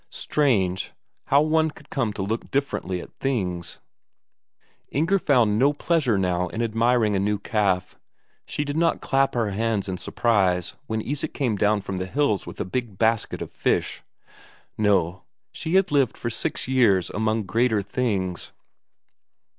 Strange, how one could come to look differently at things! Inger found no pleasure now in admiring a new calf; she did not clap her hands in surprise when Isak came down from the hills with a big basket of fish; no, she had lived for six years among greater things.